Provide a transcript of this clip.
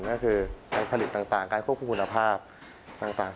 นี่ถึงผลิตต่างการควบคุณภาพต่าง